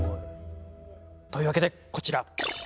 というわけでこちら！